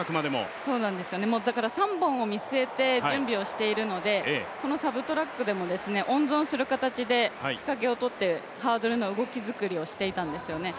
３本を見据えて準備しているので、このサブトラックでも温存する形で日陰をとって、ハードルの動き作りをしていたんですよね。